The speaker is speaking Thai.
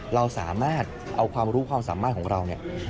เราสามารถเอาความรู้ความสามารถของเราเนี่ย